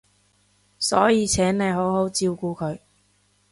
所以請你好好照顧佢